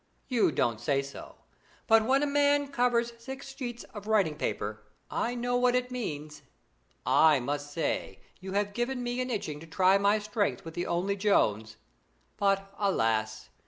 You don't say so, but when a man covers six sheets of writing paper I know what it means. I must say you have given me an itching to try my strength with the only Jones; but, alas!